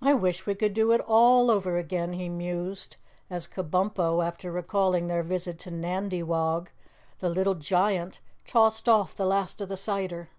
"I wish we could do it all over again," he mused, as Kabumpo, after recalling their visit to Nandywog, the little giant, tossed off the last of the cider.